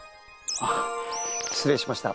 あっ失礼しました。